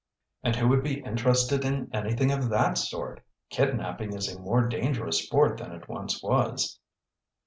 "And who would be interested in anything of that sort? Kidnapping is a more dangerous sport than it once was."